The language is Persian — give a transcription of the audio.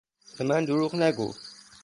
به من دروغ نگو!